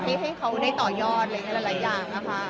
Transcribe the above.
ไม่ให้เขาได้ต่อยอดอะไรอย่างเงี้ย